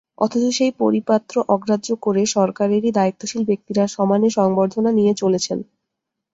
অথচ সেই পরিপত্র অগ্রাহ্য করে সরকারেরই দায়িত্বশীল ব্যক্তিরা সমানে সংবর্ধনা নিয়ে চলেছেন।